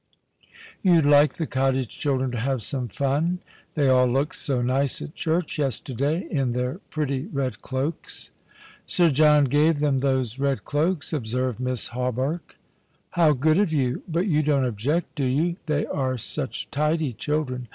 " You'd like the cottage children to have some fun ? They all looked so nice at church yesterday, in their pretty red cloaks." " Sir John gave them those red cloaks," observed Miss Hawberk. " How good of you ! But you don't object, do you ? They are such tidy children.